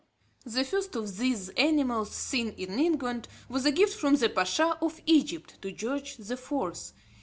The first of these animals seen in England was a gift from the Pasha of Egypt to George the Fourth.